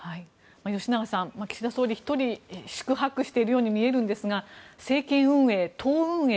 吉永さん岸田総理１人が四苦八苦しているように見えるんですが政権運営、党運営